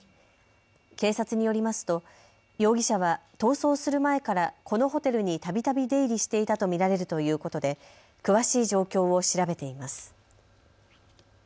警察によりますと容疑者は逃走する前からこのホテルにたびたび出入りしていたと見られるということで詳しい状況を調べています。